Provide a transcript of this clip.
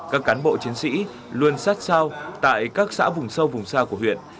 các cán bộ chiến sĩ luôn sát sao tại các xã vùng sâu vùng xa của huyện